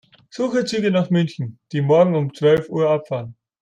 Suche Züge nach München, die morgen um zwölf Uhr abfahren.